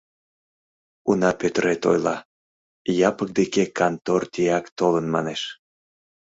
Уна Пӧтырет ойла: Япык деке кантор тияк толын, манеш.